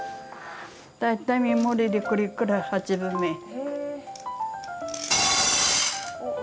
大体目盛りでこれくらい８分目。へ。